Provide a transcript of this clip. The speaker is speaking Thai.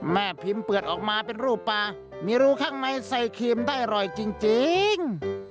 แม่พิมพ์เปิดออกมาเป็นรูปปลามีรูข้างในใส่ครีมได้อร่อยจริง